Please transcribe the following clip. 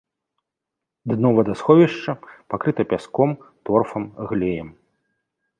Дно вадасховішча пакрыта пяском, торфам, глеем.